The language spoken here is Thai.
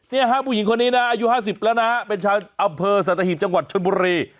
เนี่ยฮะผู้หญิงคนนี้นะอายุ๕๐แล้วนะเป็นชาวอำเภอสัตหีบจังหวัดชนบุรี